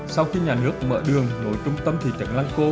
sau khi nhà nước mở đường nổi trung tâm thị trận lăng cô